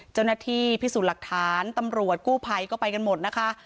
เจ้าหน้าที่พิสูจน์หลักฐานตำรวจกู้ภัยก็ไปกันหมดนะคะ